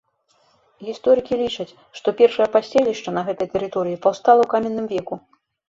Гісторыкі лічаць, што першае паселішча на гэтай тэрыторыі паўстала ў каменным веку.